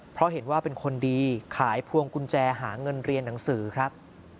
เพราะเห็นว่าเป็นคนดีขายพวงกุญแจหาเงินเรียนหนังสือครับ